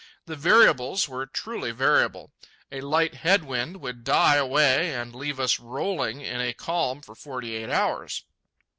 The variables were truly variable. A light head wind would die away and leave us rolling in a calm for forty eight hours.